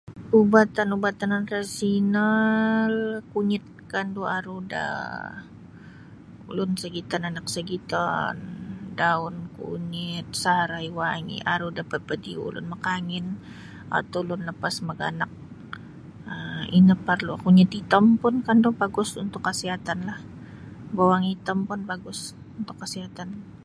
Ubatan-ubatan tradisional kunyit kandu aru da ulun sogiton anak sogiton daun kunyit sarai wangi aru da padiu ulun makangin atau lapas maganak um ino parlu kunyit itom pun kandu bagus untuk kasiatan lah bowong itom bagus untuk kasiatan.